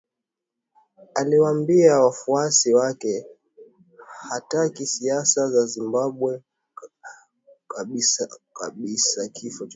Aliwaambia wafuasi wake hataki siasa za Zimbabwe kusababisha kifo chochote.